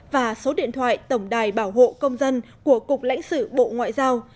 và số điện thoại tổng đài bảo hộ công dân của cục lãnh sự bộ ngoại giao